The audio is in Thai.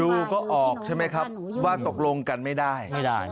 ดูก็ออกใช่ไหมครับว่าตกลงกันไม่ได้ไม่ได้